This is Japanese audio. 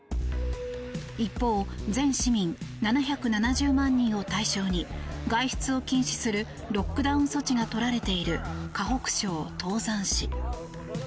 一方、全市民７７０万人を対象に外出を禁止するロックダウン措置がとられている河北省唐山市。